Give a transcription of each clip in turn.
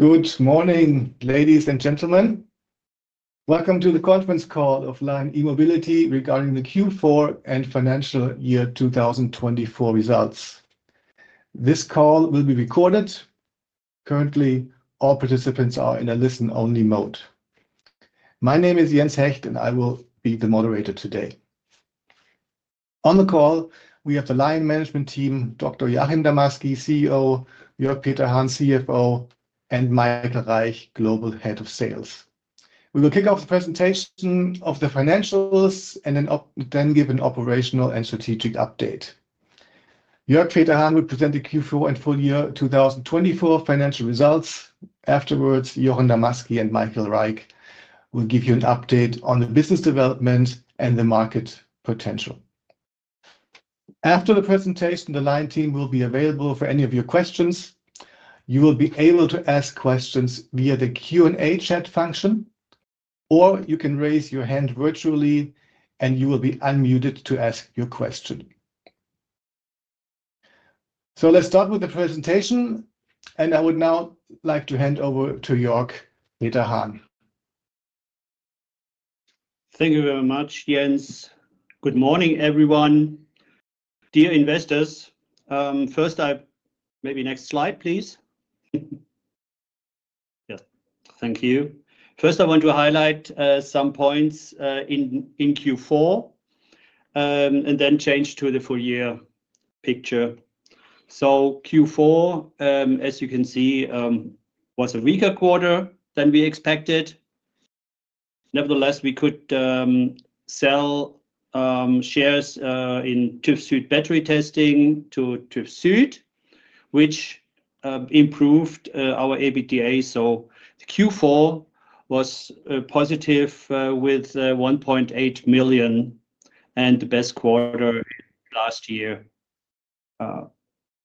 Good morning, ladies and gentlemen. Welcome to the conference call of LION E-Mobility regarding the Q4 and financial year 2024 results. This call will be recorded. Currently, all participants are in a listen-only mode. My name is Jens Hecht, and I will be the moderator today. On the call, we have the LION Management Team, Dr. Joachim Damasky, CEO, Jörg Peter Hahn, CFO, and Michael Reich, Global Head of Sales. We will kick-off the presentation of the financials and then give an operational and strategic update. Jörg Peter Hahn will present the Q4 and full year 2024 financial results. Afterwards, Joachim Damasky and Michael Reich will give you an update on the business development and the market potential. After the presentation, the LION Team will be available for any of your questions. You will be able to ask questions via the Q&A chat function, or you can raise your hand virtually, and you will be unmuted to ask your question. Let's start with the presentation, and I would now like to hand over to Jörg Peter Hahn. Thank you very much, Jens. Good morning, everyone. Dear investors, first, maybe next slide, please. Yeah, thank you. First, I want to highlight some points in Q4 and then change to the full year picture. Q4, as you can see, was a weaker quarter than we expected. Nevertheless, we could sell shares in TÜV SÜD Battery Testing to TÜV SÜD, which improved our EBITDA. Q4 was positive with 1.8 million and the best quarter last year.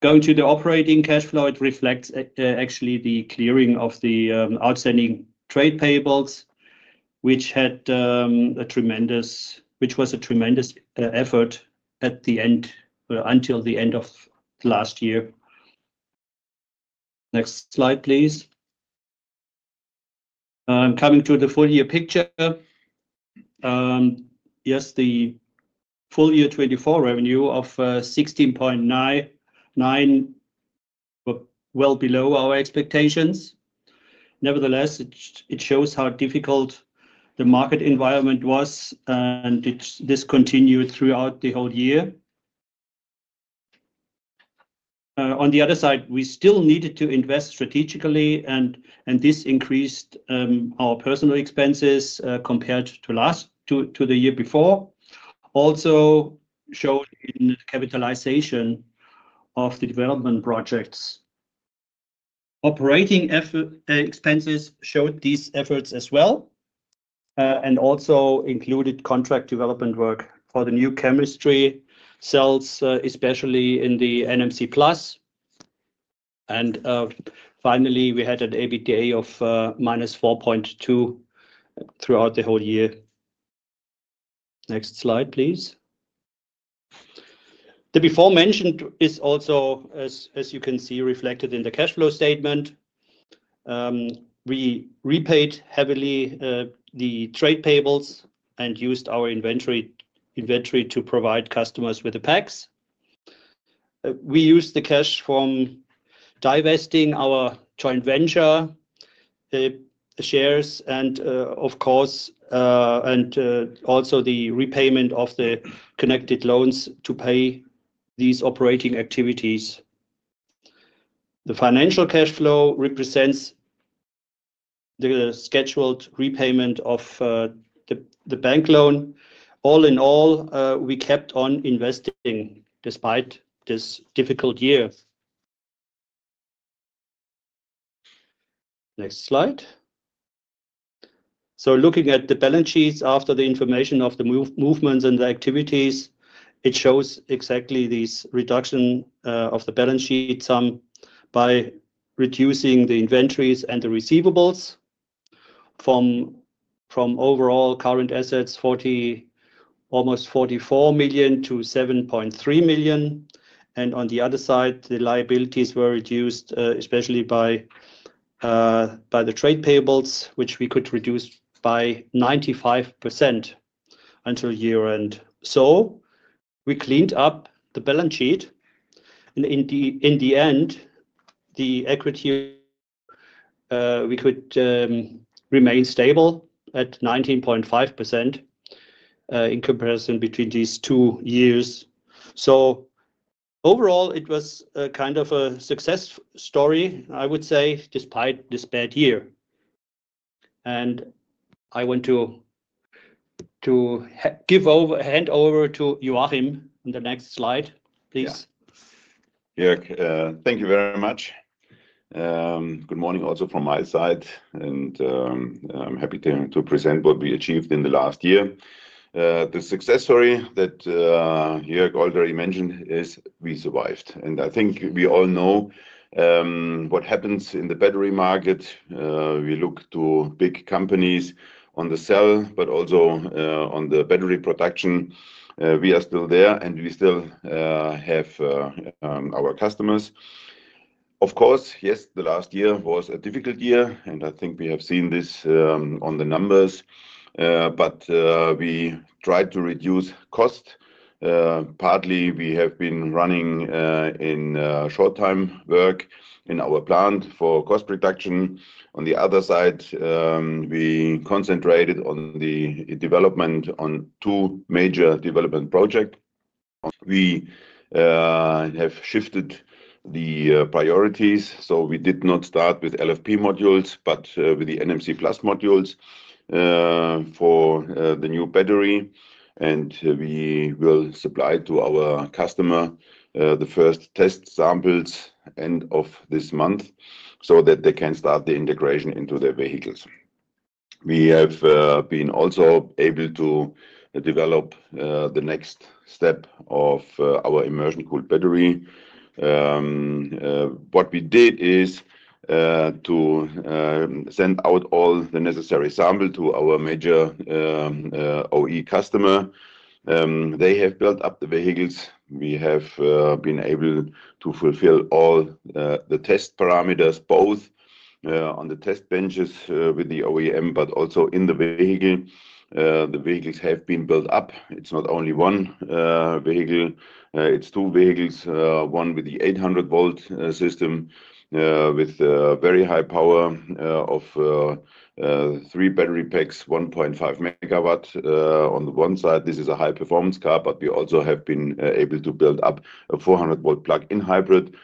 Going to the operating cash flow, it reflects actually the clearing of the outstanding trade payables, which was a tremendous effort until the end of last year. Next slide, please. Coming to the full year picture, yes, the full year 2024 revenue of 16.99 [million] was well below our expectations. Nevertheless, it shows how difficult the market environment was, and this continued throughout the whole year. On the other side, we still needed to invest strategically, and this increased our personnel expenses compared to the year before, also shown in the capitalization of the development projects. Operating expenses showed these efforts as well and also included contract development work for the new chemistry cells, especially in the NMC Plus. Finally, we had an EBITDA of -4.2 [million] throughout the whole year. Next slide, please. The before mentioned is also, as you can see, reflected in the cash flow statement. We repaid heavily the trade payables and used our inventory to provide customers with the packs. We used the cash from divesting our joint venture shares and, of course, also the repayment of the connected loans to pay these operating activities. The financial cash flow represents the scheduled repayment of the bank loan. All in all, we kept on investing despite this difficult year. Next slide. Looking at the balance sheets after the information of the movements and the activities, it shows exactly this reduction of the balance sheet sum by reducing the inventories and the receivables from overall current assets, almost 44 million to 7.3 million. On the other side, the liabilities were reduced, especially by the trade payables, which we could reduce by 95% until year-end. We cleaned up the balance sheet. In the end, the equity remained stable at 19.5% in comparison between these two years. Overall, it was kind of a success story, I would say, despite this bad year. I want to hand over to Joachim on the next slide, please. Yeah, Jörg, thank you very much. Good morning also from my side, and I'm happy to present what we achieved in the last year. The success story that Jörg already mentioned is we survived. I think we all know what happens in the battery market. We look to big companies on the cell, but also on the battery production. We are still there, and we still have our customers. Of course, yes, the last year was a difficult year, and I think we have seen this on the numbers. We tried to reduce cost. Partly, we have been running in short-time work in our plant for cost reduction. On the other side, we concentrated on the development on two major development projects. We have shifted the priorities, so we did not start with LFP modules, but with the NMC Plus modules for the new battery. We will supply to our customer the first test samples end of this month so that they can start the integration into their vehicles. We have been also able to develop the next step of our immersion cooled battery. What we did is to send out all the necessary samples to our major OE customer. They have built up the vehicles. We have been able to fulfill all the test parameters, both on the test benches with the OEM, but also in the vehicle. The vehicles have been built up. It's not only one vehicle. It's two vehicles, one with the 800-volt system with very high power of three battery packs, 1.5 megawatts on the one side. This is a high-performance car, but we also have been able to build up a 400-volt plug-in hybrid,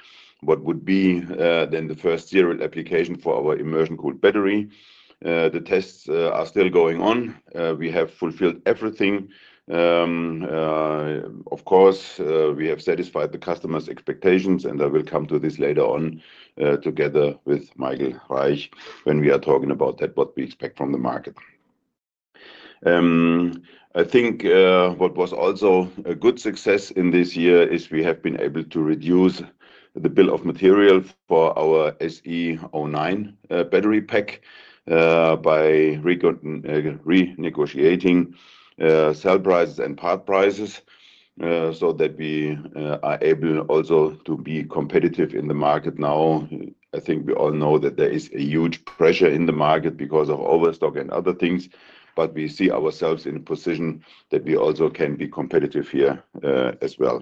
what would be then the first serial application for our immersion cooled battery. The tests are still going on. We have fulfilled everything. Of course, we have satisfied the customer's expectations, and I will come to this later on together with Michael Reich when we are talking about that, what we expect from the market. I think what was also a good success in this year is we have been able to reduce the bill of material for our SE09 battery pack by renegotiating cell prices and part prices so that we are able also to be competitive in the market now. I think we all know that there is a huge pressure in the market because of overstock and other things, but we see ourselves in a position that we also can be competitive here as well.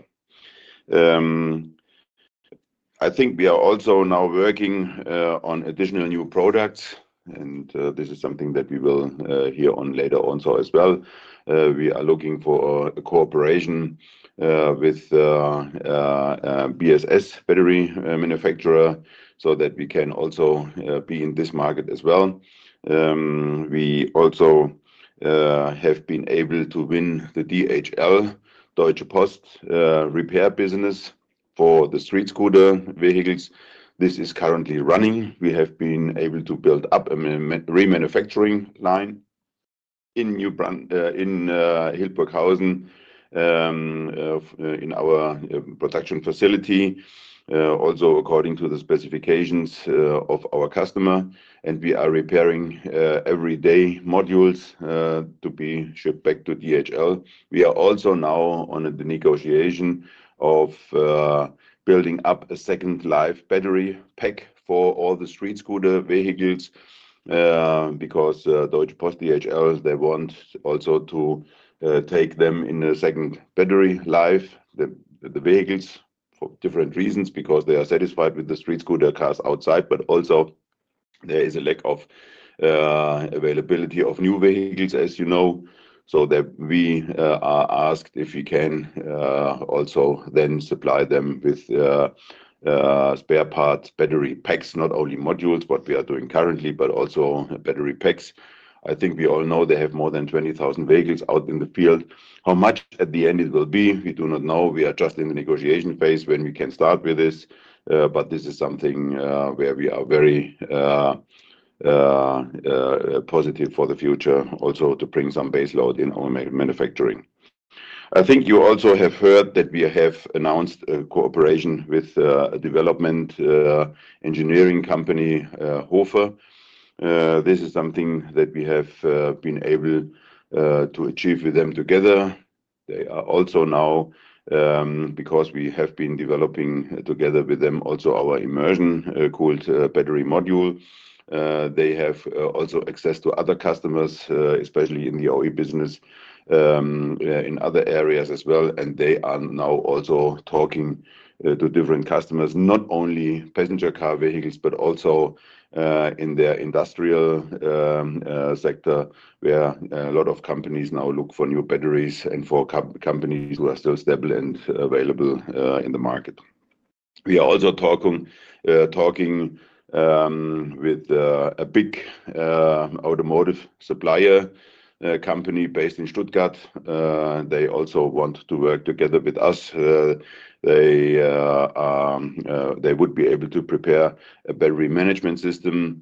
I think we are also now working on additional new products, and this is something that we will hear on later on as well. We are looking for a cooperation with BESS battery manufacturer so that we can also be in this market as well. We also have been able to win the DHL Deutsche Post repair business for the StreetScooter vehicles. This is currently running. We have been able to build up a remanufacturing line in Hildburghausen in our production facility, also according to the specifications of our customer. We are repairing everyday modules to be shipped back to DHL. We are also now on the negotiation of building up a second life battery pack for all the StreetScooter vehicles because Deutsche Post DHL, they want also to take them in a second battery life, the vehicles, for different reasons, because they are satisfied with the StreetScooter cars outside, but also there is a lack of availability of new vehicles, as you know. We are asked if we can also then supply them with spare part battery packs, not only modules, what we are doing currently, but also battery packs. I think we all know they have more than 20,000 vehicles out in the field. How much at the end it will be, we do not know. We are just in the negotiation phase when we can start with this, but this is something where we are very positive for the future, also to bring some base load in our manufacturing. I think you also have heard that we have announced a cooperation with a development engineering company, HOFER. This is something that we have been able to achieve with them together. They are also now, because we have been developing together with them also our immersion cooled battery module. They have also access to other customers, especially in the OE business, in other areas as well. They are now also talking to different customers, not only passenger car vehicles, but also in their industrial sector, where a lot of companies now look for new batteries and for companies who are still stable and available in the market. We are also talking with a big automotive supplier company based in Stuttgart. They also want to work together with us. They would be able to prepare a battery management system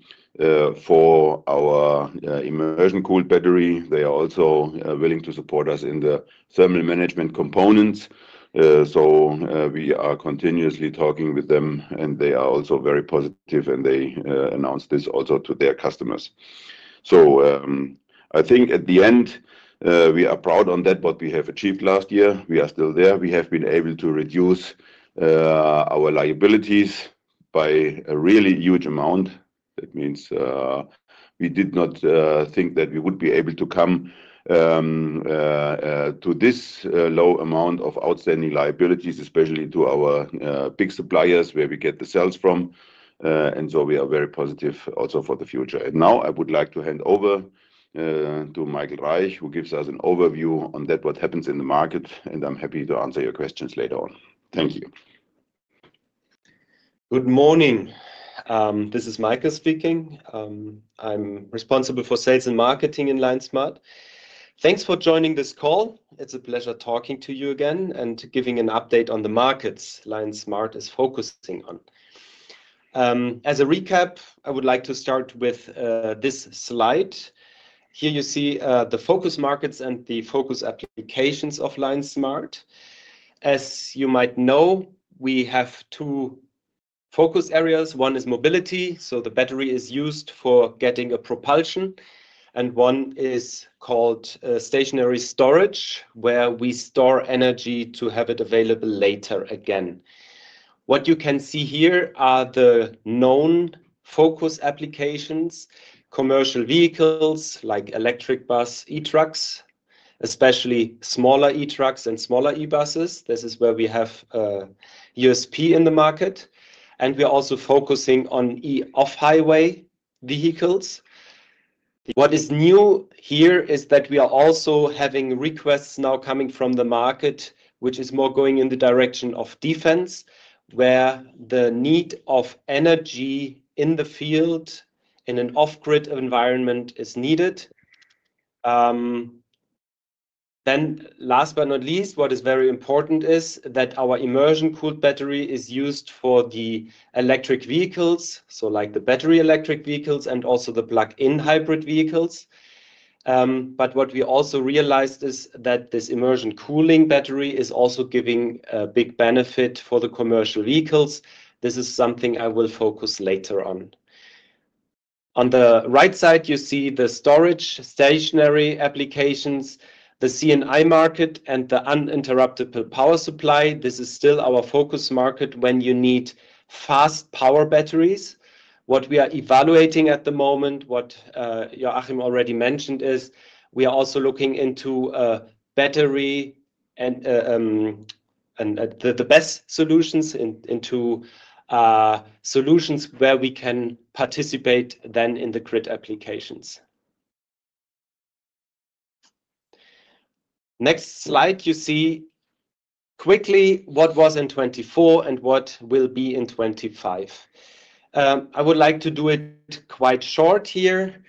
for our immersion cooled battery. They are also willing to support us in the thermal management components. We are continuously talking with them, and they are also very positive, and they announced this also to their customers. I think at the end, we are proud on that, what we have achieved last year. We are still there. We have been able to reduce our liabilities by a really huge amount. That means we did not think that we would be able to come to this low amount of outstanding liabilities, especially to our big suppliers where we get the cells from. We are very positive also for the future. Now I would like to hand over to Michael Reich, who gives us an overview on that, what happens in the market, and I'm happy to answer your questions later on. Thank you. Good morning. This is Michael speaking. I'm responsible for sales and marketing in LION Smart. Thanks for joining this call. It's a pleasure talking to you again and giving an update on the markets LION Smart is focusing on. As a recap, I would like to start with this slide. Here you see the focus markets and the focus applications of LION Smart. As you might know, we have two focus areas. One is mobility, so the battery is used for getting a propulsion, and one is called stationary storage, where we store energy to have it available later again. What you can see here are the known focus applications, commercial vehicles like electric bus E-trucks, especially smaller E-trucks and smaller E-buses. This is where we have USP in the market. We are also focusing on off-highway vehicles. What is new here is that we are also having requests now coming from the market, which is more going in the direction of defense, where the need of energy in the field in an off-grid environment is needed. Last but not least, what is very important is that our immersion cooled battery is used for the electric vehicles, like the battery electric vehicles and also the plug-in hybrid vehicles. What we also realized is that this immersion cooled battery is also giving a big benefit for the commercial vehicles. This is something I will focus on later. On the right side, you see the storage stationary applications, the C&I market, and the uninterruptible power supply. This is still our focus market when you need fast power batteries. What we are evaluating at the moment, what Joachim already mentioned, is we are also looking into the best solutions into solutions where we can participate then in the grid applications. Next slide, you see quickly what was in 2024 and what will be in 2025. I would like to do it quite short here.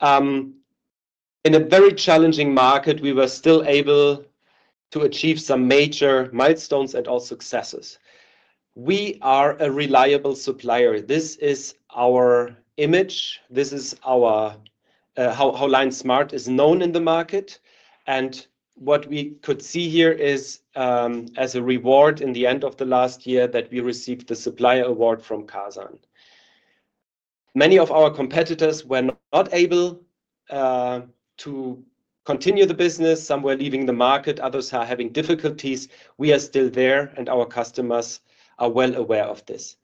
In a very challenging market, we were still able to achieve some major milestones and also successes. We are a reliable supplier. This is our image. This is how LION Smart is known in the market. What we could see here is as a reward in the end of the last year that we received the supplier award from Karsan. Many of our competitors were not able to continue the business. Some were leaving the market. Others are having difficulties. We are still there, and our customers are well aware of this.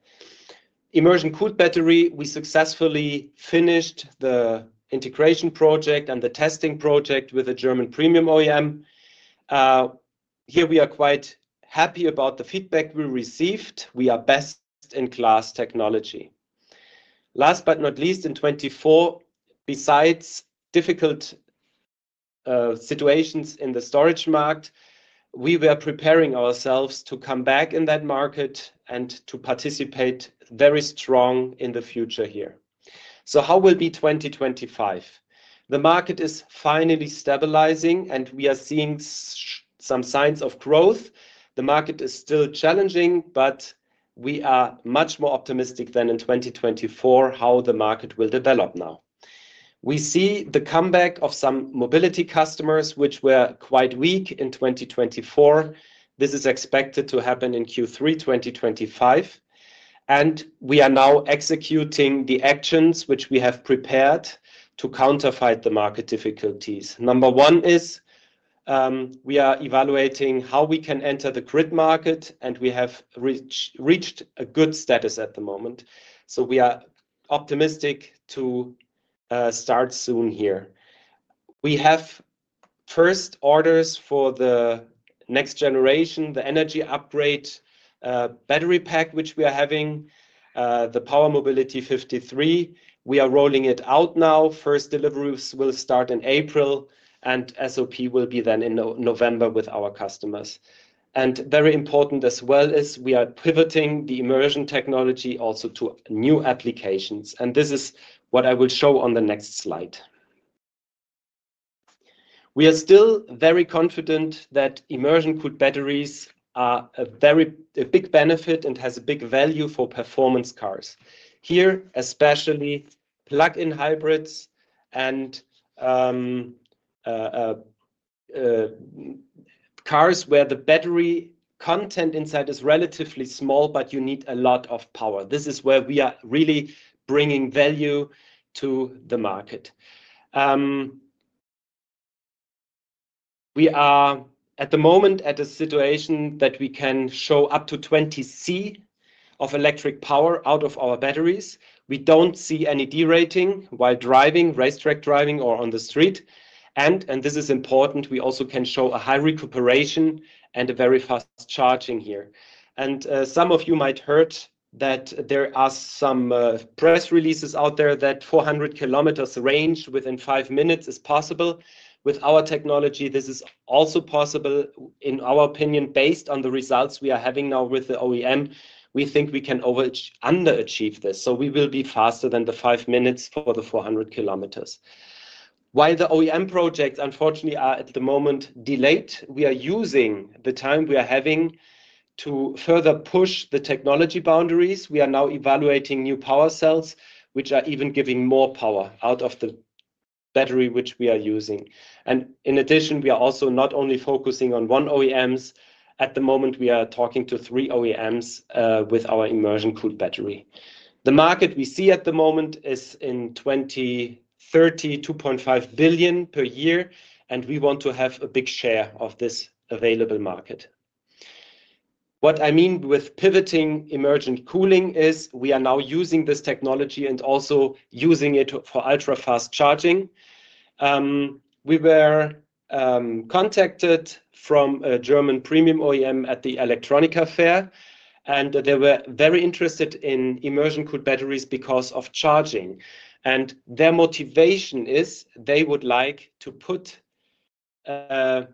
Immersion cooled battery, we successfully finished the integration project and the testing project with a German premium OEM. Here we are quite happy about the feedback we received. We are best in class technology. Last but not least, in 2024, besides difficult situations in the storage market, we were preparing ourselves to come back in that market and to participate very strong in the future here. How will 2025 be? The market is finally stabilizing, and we are seeing some signs of growth. The market is still challenging, but we are much more optimistic than in 2024 how the market will develop now. We see the comeback of some mobility customers, which were quite weak in 2024. This is expected to happen in Q3 2025. We are now executing the actions which we have prepared to counterfight the market difficulties. Number one is we are evaluating how we can enter the grid market, and we have reached a good status at the moment. We are optimistic to start soon here. We have first orders for the next generation, the energy upgrade battery pack, which we are having, the Power Mobility 53. We are rolling it out now. First deliveries will start in April, and SOP will be then in November with our customers. Very important as well is we are pivoting the immersion technology also to new applications. This is what I will show on the next slide. We are still very confident that immersion cooled batteries are a very big benefit and have a big value for performance cars. Here, especially plug-in hybrids and cars where the battery content inside is relatively small, but you need a lot of power. This is where we are really bringing value to the market. We are at the moment at a situation that we can show up to 20C of electric power out of our batteries. We do not see any derating while driving, racetrack driving, or on the street. This is important. We also can show a high recuperation and a very fast charging here. Some of you might have heard that there are some press releases out there that 400 km range within five minutes is possible. With our technology, this is also possible, in our opinion. Based on the results we are having now with the OEM, we think we can underachieve this. We will be faster than the five minutes for the 400 km. While the OEM projects, unfortunately, are at the moment delayed, we are using the time we are having to further push the technology boundaries. We are now evaluating new power cells, which are even giving more power out of the battery, which we are using. In addition, we are also not only focusing on one OEMs. At the moment, we are talking to three OEMs with our immersion cooled battery. The market we see at the moment is in 2030, 2.5 billion per year, and we want to have a big share of this available market. What I mean with pivoting emergent cooling is we are now using this technology and also using it for ultra-fast charging. We were contacted from a German premium OEM at the Electronica Fair, and they were very interested in immersion cooled batteries because of charging. Their motivation is they would like to put 400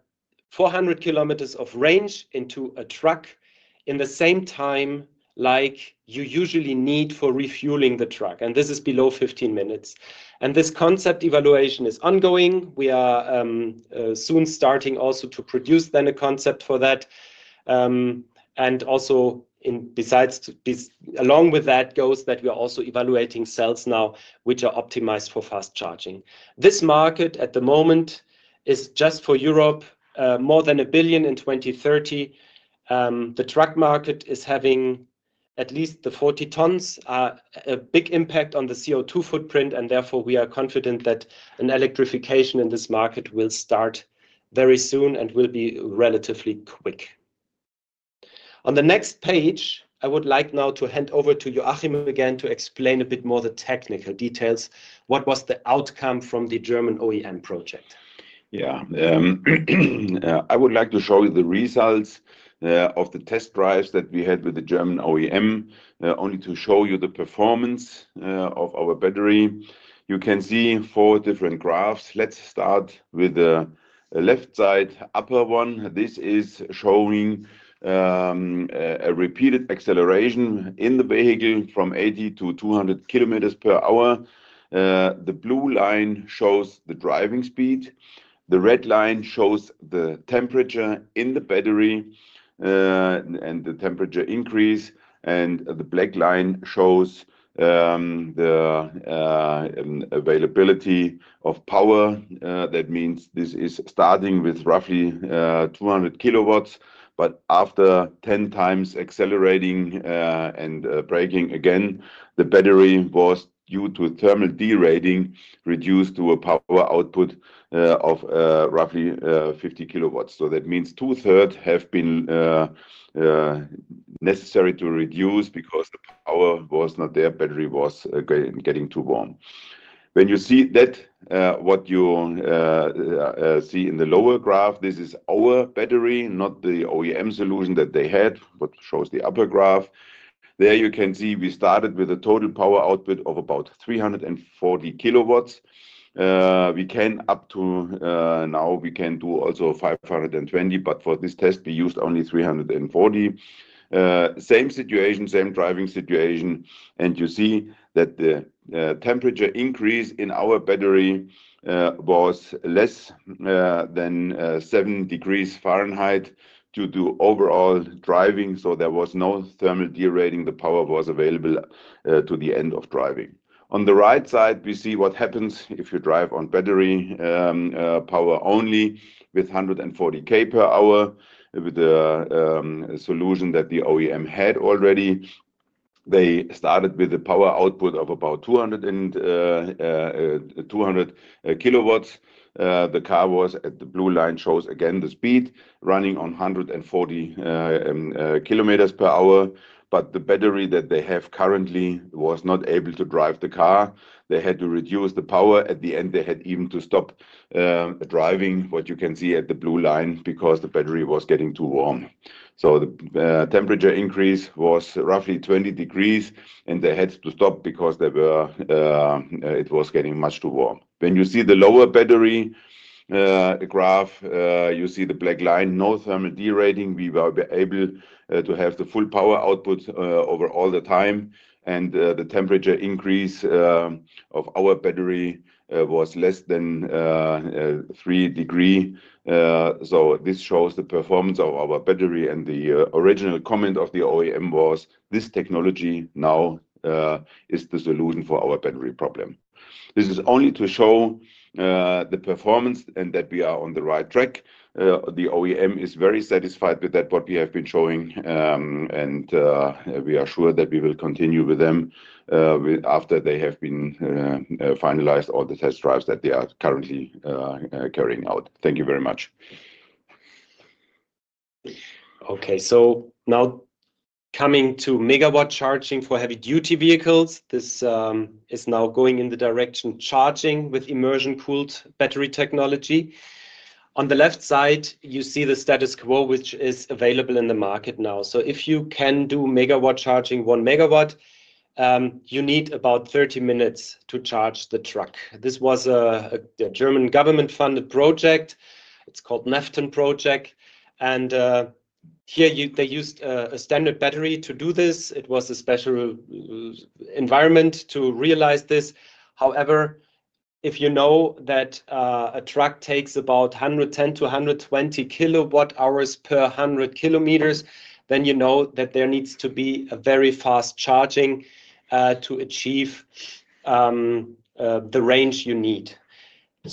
km of range into a truck in the same time like you usually need for refueling the truck. This is below 15 minutes. This concept evaluation is ongoing. We are soon starting also to produce a concept for that. Also along with that goes that we are also evaluating cells now, which are optimized for fast charging. This market at the moment is just for Europe, more than 1 billion in 2030. The truck market is having at least the 40 tons a big impact on the CO2 footprint, and therefore we are confident that an electrification in this market will start very soon and will be relatively quick. On the next page, I would like now to hand over to Joachim again to explain a bit more the technical details. What was the outcome from the German OEM project? Yeah, I would like to show you the results of the test drives that we had with the German OEM, only to show you the performance of our battery. You can see four different graphs. Let's start with the left side upper one. This is showing a repeated acceleration in the vehicle from 80 km-200 km per hour. The blue line shows the driving speed. The red line shows the temperature in the battery and the temperature increase. The black line shows the availability of power. That means this is starting with roughly 200 kilowatts, but after 10 times accelerating and braking again, the battery was due to thermal derating reduced to a power output of roughly 50 kilowatts. That means 2/3 have been necessary to reduce because the power was not there. Battery was getting too warm. When you see that, what you see in the lower graph, this is our battery, not the OEM solution that they had, what shows the upper graph. There you can see we started with a total power output of about 340 kilowatts. We can, up to now, we can do also 520, but for this test, we used only 340. Same situation, same driving situation. You see that the temperature increase in our battery was less than 7 degrees Fahrenheit due to overall driving. There was no thermal derating. The power was available to the end of driving. On the right side, we see what happens if you drive on battery power only with 140 km per hour with the solution that the OEM had already. They started with a power output of about 200 kilowatts. The car was at the blue line shows again the speed running on 140 km per hour, but the battery that they have currently was not able to drive the car. They had to reduce the power. At the end, they had even to stop driving, what you can see at the blue line because the battery was getting too warm. The temperature increase was roughly 20 degrees, and they had to stop because it was getting much too warm. When you see the lower battery graph, you see the black line, no thermal derating. We were able to have the full power output over all the time, and the temperature increase of our battery was less than 3 degrees. This shows the performance of our battery. The original comment of the OEM was, "This technology now is the solution for our battery problem." This is only to show the performance and that we are on the right track. The OEM is very satisfied with that, what we have been showing, and we are sure that we will continue with them after they have finalized all the test drives that they are currently carrying out. Thank you very much. Okay, so now coming to megawatt charging for heavy-duty vehicles, this is now going in the direction charging with immersion cooled battery technology. On the left side, you see the status quo, which is available in the market now. If you can do megawatt charging one megawatt, you need about 30 minutes to charge the truck. This was a German government-funded project. It's called NEFTON project. Here they used a standard battery to do this. It was a special environment to realize this. However, if you know that a truck takes about 110 kWh-120 kWh per 100 km, then you know that there needs to be a very fast charging to achieve the range you need.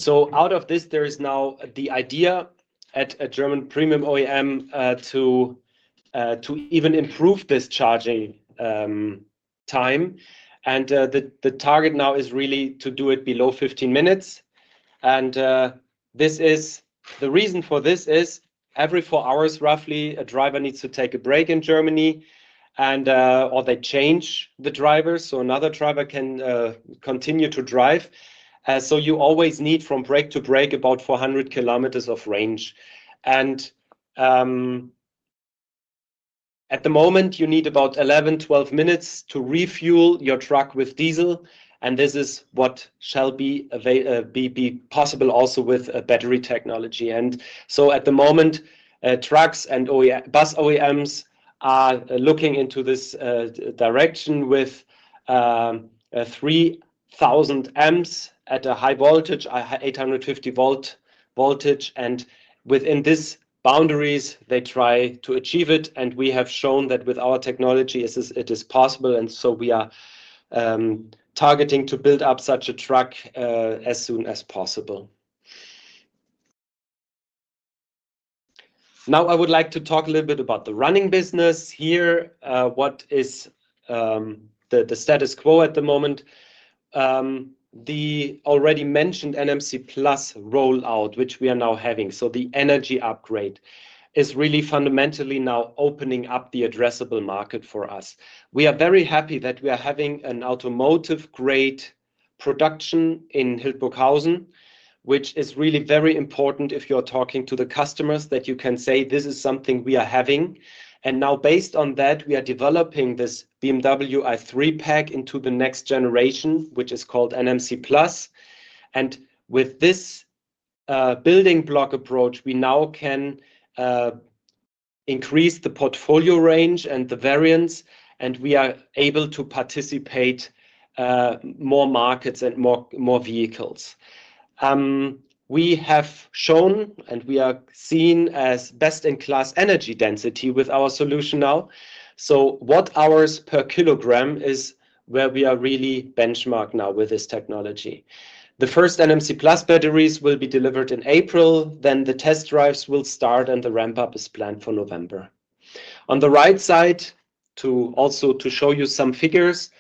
Out of this, there is now the idea at a German premium OEM to even improve this charging time. The target now is really to do it below 15 minutes. The reason for this is every four hours, roughly, a driver needs to take a break in Germany or they change the driver so another driver can continue to drive. You always need from break to break about 400 km of range. At the moment, you need about 11-12 minutes to refuel your truck with diesel. This is what shall be possible also with battery technology. At the moment, trucks and bus OEMs are looking into this direction with 3,000 amps at a high voltage, 850 volt voltage. Within these boundaries, they try to achieve it. We have shown that with our technology, it is possible. We are targeting to build up such a truck as soon as possible. Now, I would like to talk a little bit about the running business here, what is the status quo at the moment, the already mentioned NMC Plus rollout, which we are now having. The energy upgrade is really fundamentally now opening up the addressable market for us. We are very happy that we are having an automotive-grade production in Hildburghausen, which is really very important if you're talking to the customers that you can say, "This is something we are having." Now based on that, we are developing this BMW i3 pack into the next generation, which is called NMC Plus. With this building block approach, we now can increase the portfolio range and the variance, and we are able to participate in more markets and more vehicles. We have shown and we are seen as best-in-class energy density with our solution now. Watt-hours per kilogram is where we are really benchmarked now with this technology. The first NMC Plus batteries will be delivered in April. The test drives will start, and the ramp-up is planned for November. On the right side, also to show you some figures,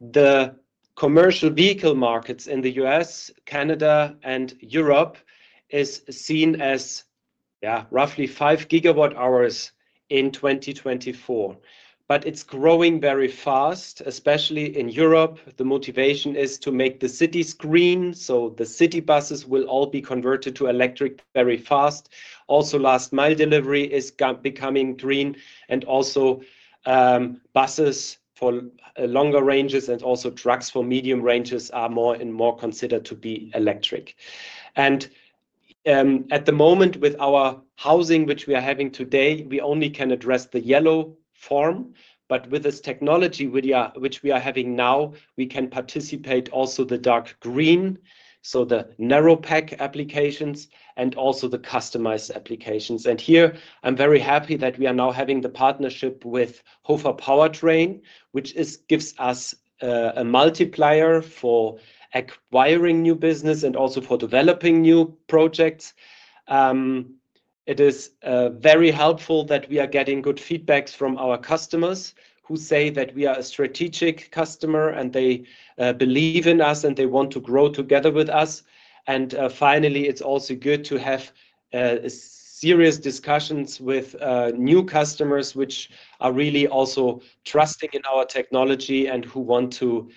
the commercial vehicle markets in the U.S., Canada, and Europe is seen as roughly 5 gigawatt-hours in 2024. It is growing very fast, especially in Europe. The motivation is to make the cities green. The city buses will all be converted to electric very fast. Last-mile delivery is becoming green. Buses for longer ranges and trucks for medium ranges are more and more considered to be electric. At the moment, with our housing, which we are having today, we only can address the yellow form. With this technology, which we are having now, we can participate also in the dark green, so the narrow pack applications and also the customized applications. I am very happy that we are now having the partnership with hofer powertrain, which gives us a multiplier for acquiring new business and also for developing new projects. It is very helpful that we are getting good feedback from our customers who say that we are a strategic customer and they believe in us and they want to grow together with us. Finally, it is also good to have serious discussions with new customers who are really also trusting in our technology and who want to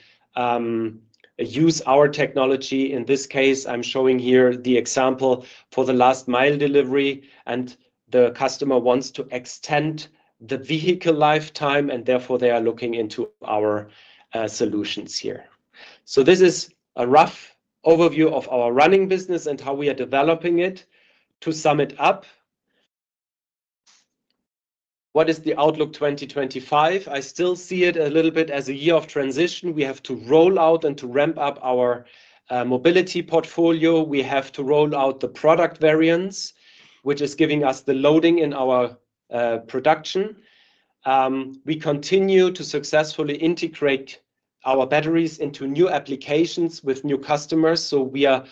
use our technology. In this case, I am showing here the example for the last-mile delivery, and the customer wants to extend the vehicle lifetime, and therefore they are looking into our solutions here. This is a rough overview of our running business and how we are developing it. To sum it up, what is the outlook 2025? I still see it a little bit as a year of transition. We have to roll out and to ramp up our mobility portfolio. We have to roll out the product variants, which is giving us the loading in our production. We continue to successfully integrate our batteries into new applications with new customers. We are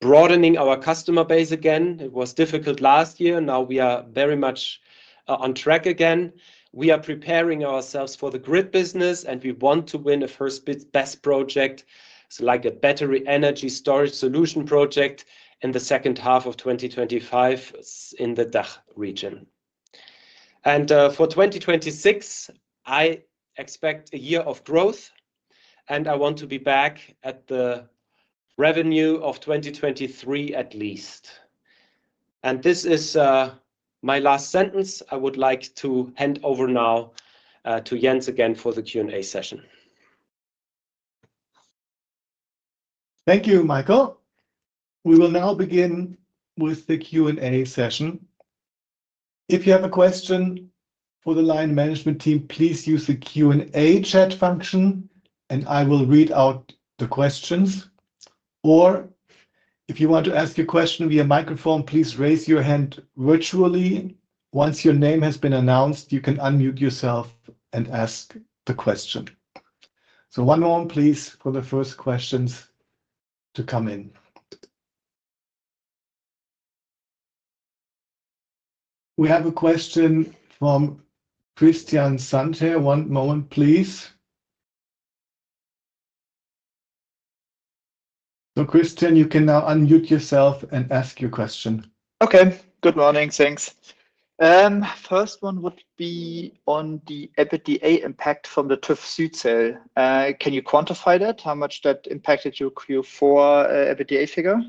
broadening our customer base again. It was difficult last year. Now we are very much on track again. We are preparing ourselves for the grid business, and we want to win a first-bid BESS project, like a battery energy storage solution project in the second half of 2025 in the DACH region. For 2026, I expect a year of growth, and I want to be back at the revenue of 2023 at least. This is my last sentence. I would like to hand over now to Jens again for the Q&A session. Thank you, Michael. We will now begin with the Q&A session. If you have a question for the LION management team, please use the Q&A chat function, and I will read out the questions. If you want to ask your question via microphone, please raise your hand virtually. Once your name has been announced, you can unmute yourself and ask the question. One moment, please, for the first questions to come in. We have a question from Christian Sandherr. One moment, please. Christian, you can now unmute yourself and ask your question. Okay, good morning. Thanks. First one would be on the EBITDA impact from the TÜV SÜD sale. Can you quantify that? How much that impacted your Q4 EBITDA figure?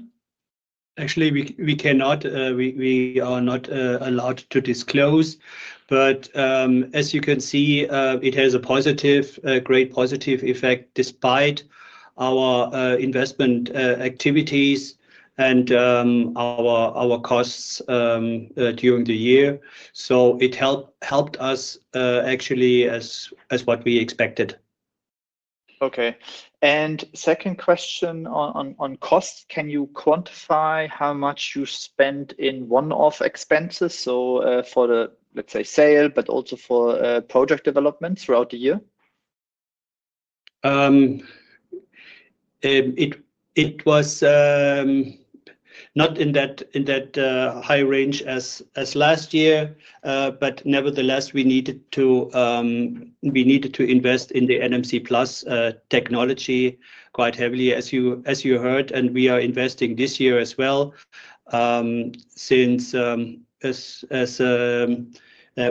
Actually, we cannot. We are not allowed to disclose. As you can see, it has a great positive effect despite our investment activities and our costs during the year. It helped us actually as what we expected. Okay. Second question on cost. Can you quantify how much you spend in one-off expenses? For the, let's say, sale, but also for project development throughout the year? It was not in that high range as last year, but nevertheless, we needed to invest in the NMC Plus technology quite heavily, as you heard. We are investing this year as well. As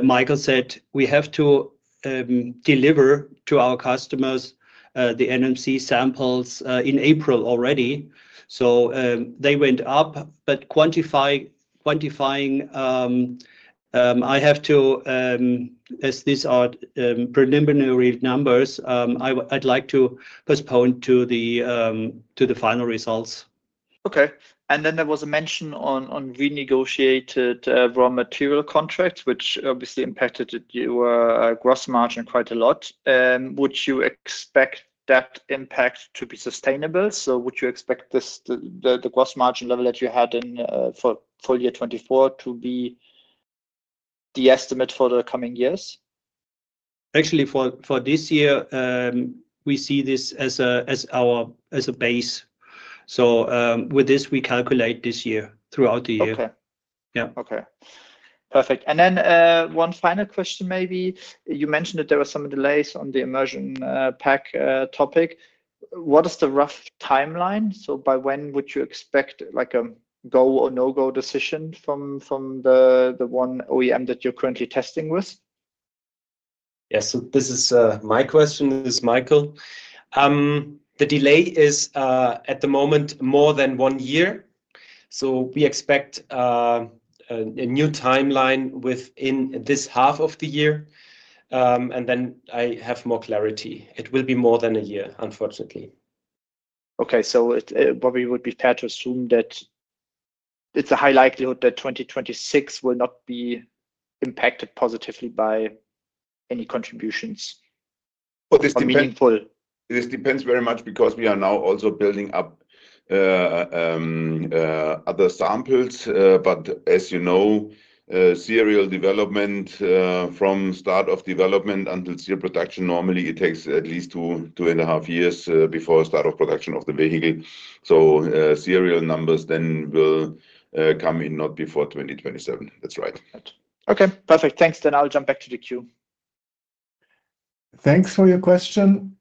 Michael said, we have to deliver to our customers the NMC samples in April already. They went up, but quantifying, I have to, as these are preliminary numbers, I'd like to postpone to the final results. Okay. There was a mention on renegotiated raw material contracts, which obviously impacted your gross margin quite a lot. Would you expect that impact to be sustainable? Would you expect the gross margin level that you had in full year 2024 to be the estimate for the coming years? Actually, for this year, we see this as a base. With this, we calculate this year throughout the year. Okay. Okay. Perfect. One final question maybe. You mentioned that there were some delays on the immersion pack topic. What is the rough timeline? By when would you expect a go or no-go decision from the one OEM that you're currently testing with? Yes. This is my question. This is Michael. The delay is at the moment more than one year. We expect a new timeline within this half of the year, and then I have more clarity. It will be more than a year, unfortunately. Okay. So would it be fair to assume that it's a high likelihood that 2026 will not be impacted positively by any contributions? This depends. Meaningful. This depends very much because we are now also building up other samples. As you know, serial development from start of development until serial production normally takes at least two and a half years before start of production of the vehicle. Serial numbers then will come in not before 2027. That's right. Okay. Perfect. Thanks. I will jump back to the queue. Thanks for your question.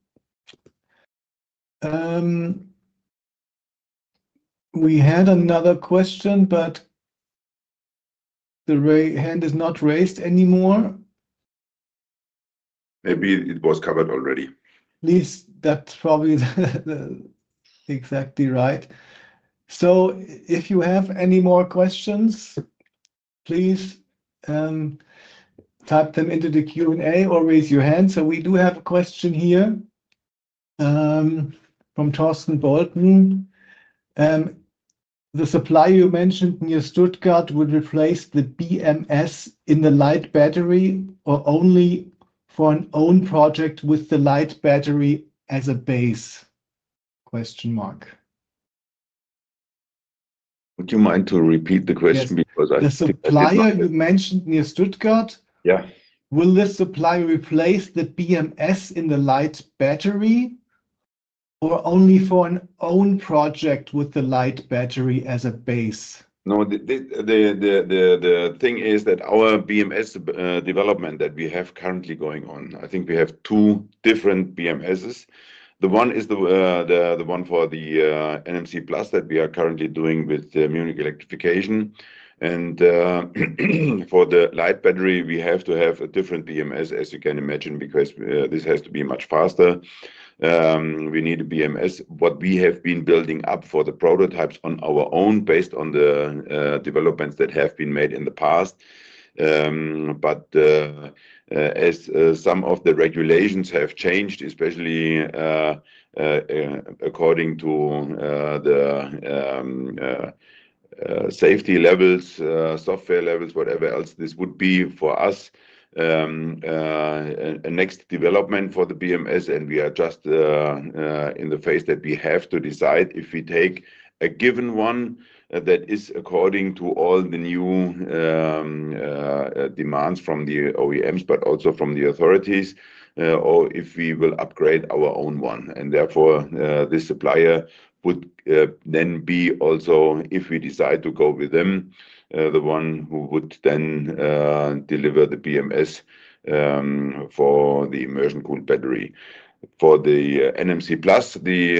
We had another question, but the hand is not raised anymore. Maybe it was covered already. At least that's probably exactly right. If you have any more questions, please type them into the Q&A or raise your hand. We do have a question here from Torsten Bolten. The supplier you mentioned near Stuttgart would replace the BMS in the LIGHT Battery or only for an own project with the LIGHT Battery as a base? Would you mind to repeat the question because I? The supplier you mentioned near Stuttgart, will this supplier replace the BMS in the LIGHT Battery or only for an own project with LIGHT Battery as a base? No, the thing is that our BMS development that we have currently going on, I think we have two different BMSs. The one is the one for the NMC Plus that we are currently doing with Munich Electrification. For the LIGHT Battery, we have to have a different BMS, as you can imagine, because this has to be much faster. We need a BMS. What we have been building up for the prototypes on our own based on the developments that have been made in the past. As some of the regulations have changed, especially according to the safety levels, software levels, whatever else, this would be for us a next development for the BMS, and we are just in the phase that we have to decide if we take a given one that is according to all the new demands from the OEMs, but also from the authorities, or if we will upgrade our own one. Therefore, this supplier would then be also, if we decide to go with them, the one who would then deliver the BMS for the immersion cooled battery. For the NMC Plus, the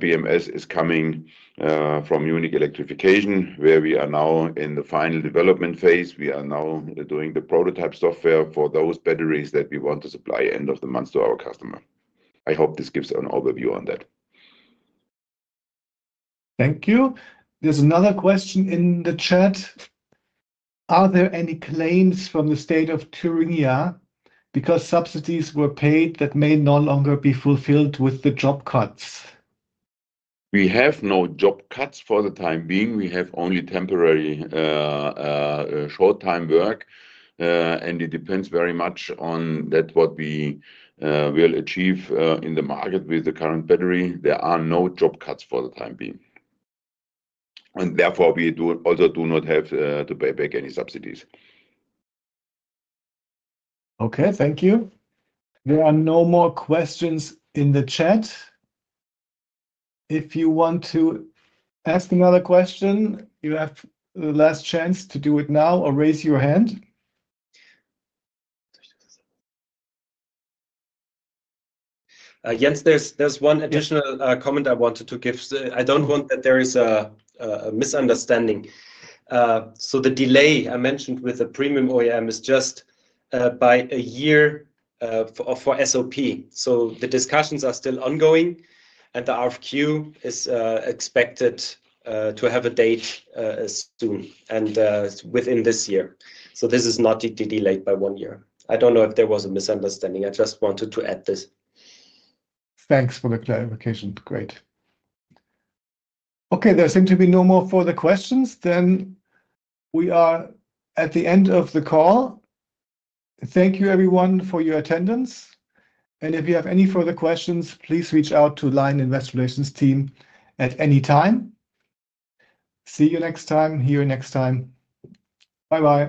BMS is coming from Munich Electrification, where we are now in the final development phase. We are now doing the prototype software for those batteries that we want to supply at the end of the month to our customer. I hope this gives an overview on that. Thank you. There's another question in the chat. Are there any claims from the state of Thüringen because subsidies were paid that may no longer be fulfilled with the job cuts? We have no job cuts for the time being. We have only temporary short-time work. It depends very much on what we will achieve in the market with the current battery. There are no job cuts for the time being. Therefore, we also do not have to pay back any subsidies. Okay. Thank you. There are no more questions in the chat. If you want to ask another question, you have the last chance to do it now or raise your hand. Jens, there's one additional comment I wanted to give. I don't want that there is a misunderstanding. The delay I mentioned with the premium OEM is just by a year for SOP. The discussions are still ongoing, and the RFQ is expected to have a date soon and within this year. This is not delayed by one year. I don't know if there was a misunderstanding. I just wanted to add this. Thanks for the clarification. Great. Okay. There seem to be no more further questions. We are at the end of the call. Thank you, everyone, for your attendance. If you have any further questions, please reach out to the LION Investor Relations team at any time. See you next time, hear you next time. Bye-bye.